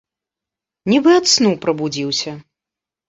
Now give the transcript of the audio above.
Нібы ад сну прабудзіўся.